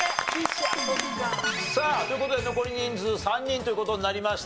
さあという事で残り人数３人という事になりました。